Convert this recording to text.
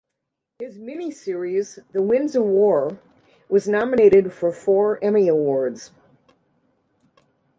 His miniseries "The Winds of War" was nominated for four Emmy Awards.